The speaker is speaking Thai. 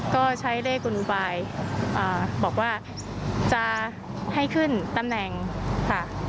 ก็ใช้เลขกุลอุบายบอกว่าจะให้ขึ้นตำแหน่งค่ะ